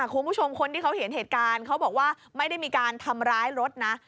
คนที่เขาเห็นเหตุการณ์เขาบอกว่าไม่ได้มีการทำร้ายรถนะ